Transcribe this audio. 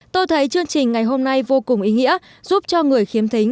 tôi thấy chương trình ngày hôm nay vô cùng ý nghĩa giúp cho người khiếm thính